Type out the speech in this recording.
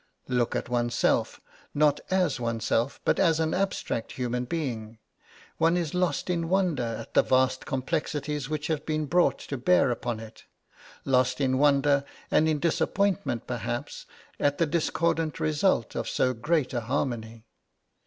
Looking at oneself not as oneself, but as an abstract human being one is lost in wonder at the vast complexities which have been brought to bear upon it; lost in wonder, and in disappointment perhaps, at the discordant result of so great a harmony.